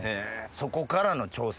そこからの挑戦。